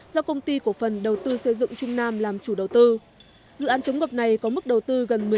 do công ty cổ phần đầu tư xây dựng trung nam làm chủ đầu tư dự án chống ngập này có mức đầu tư gần